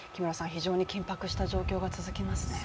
非常に緊迫した状況が続きますね。